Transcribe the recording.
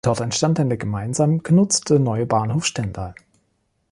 Dort entstand dann der gemeinsam genutzte neue Bahnhof Stendal.